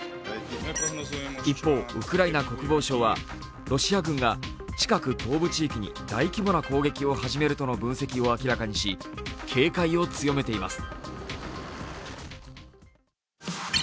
一方、ウクライナ国防省はロシア軍が近く東部地域に何らかの軍事行動を始めるとの分析を明らかにし警戒を強めています。